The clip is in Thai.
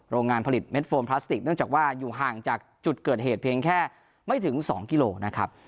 โรงงานผลิตเม็ดโฟมพลาสติกเนื่องจากว่าอยู่ห่างจากจุดเกิดเหตุเพียงแค่ไม่ถึง๒กิโลนะครับ